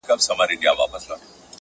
زما د سرڅښتنه اوس خپه سم که خوشحاله سم ـ